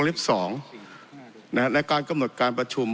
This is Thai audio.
ลิปสองหน้าการกำหนดการประชุม